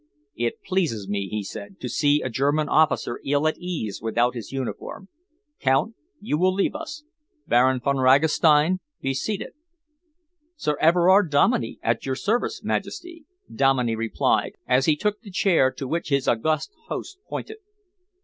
"It pleases me," he said, "to see a German officer ill at ease without his uniform. Count, you will leave us. Baron Von Ragastein, be seated." "Sir Everard Dominey, at your service, Majesty," Dominey replied, as he took the chair to which his august host pointed.